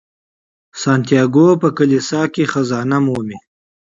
سانتیاګو په کلیسا کې خزانه مومي.